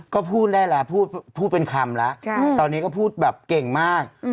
ก็พูดได้แล้วพูดเป็นคำแล้วตอนนี้ก็พูดแบบเก่งมาก